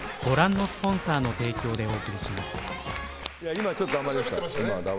今ちょっと黙りました。